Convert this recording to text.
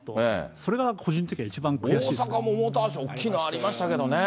それが個人的には一番悔しいです大阪もモーターショー、大きいのありましたけどね。